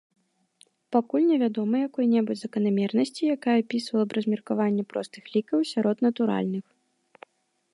Пакуль невядома якой-небудзь заканамернасці, якая апісвала б размеркаванне простых лікаў сярод натуральных.